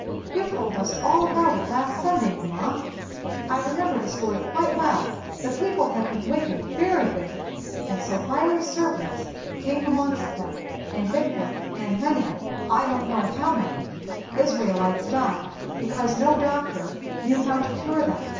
"You told us all about it last Sunday, mamma; I remember the story quite well. The people had been wicked, very wicked, and so fiery serpents came amongst them and bit them; and many—I don't know how many—Israelites died, because no doctor knew how to cure them."